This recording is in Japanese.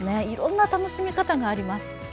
いろんな楽しみ方があります。